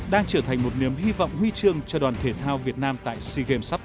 đang trở thành một niềm hy vọng huy chương cho đoàn thể thao việt nam tại sea games sắp tới